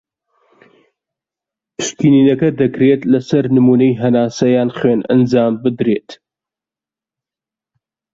پشکنینەکە دەکرێت لە سەر نمونەی هەناسە یان خوێن ئەنجام بدرێت.